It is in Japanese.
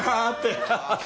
ハハハハハ！